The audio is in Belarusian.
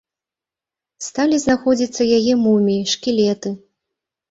Сталі знаходзіцца яе муміі, шкілеты.